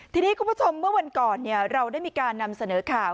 ทีนี้คุณผู้ชมเมื่อวันก่อนเราได้มีการนำเสนอข่าว